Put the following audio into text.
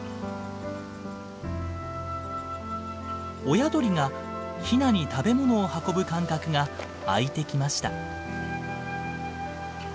親鳥がヒナに食べ物を運ぶ間隔が空いてきました。